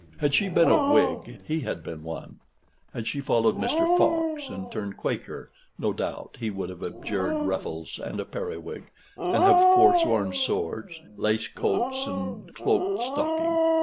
Had she been a Whig, he had been one; had she followed Mr. Fox, and turned Quaker, no doubt he would have abjured ruffles and a periwig, and have forsworn swords, lace coats, and clocked stockings.